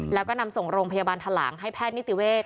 แล้วก็นำส่งโรงพยาบาลทะหลังให้แพทย์นิติเวศ